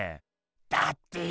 だってよ